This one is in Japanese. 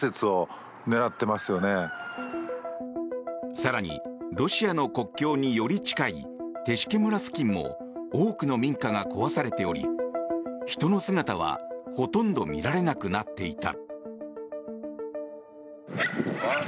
更に、ロシアの国境により近いテシュケ村付近も多くの民家が壊されており人の姿はほとんど見られなくなっていた。